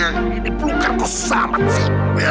eh ini pelukar kau sama cip